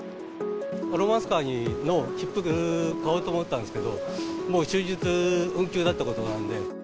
ロマンスカーの切符を買おうと思ったんですけど、もう終日運休だってことなんで。